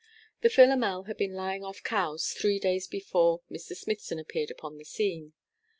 The Philomel had been lying off Cowes three days before Mr. Smithson appeared upon the scene.